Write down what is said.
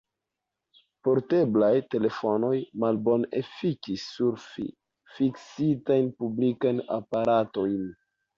Porteblaj telefonoj malbone efikis sur fiksitajn, publikajn aparatojn.